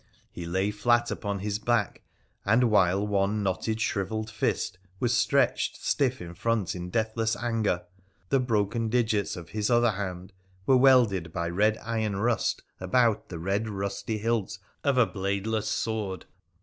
He lay flat upon his back, and, while one knotted shrivelled fist was stretched stiff in front in deathless anger, the broken digits of his other hand were welded by red iron rust about the red rusty hilt of a bladelesa PHRA THE PIKENICIAN 335 sword.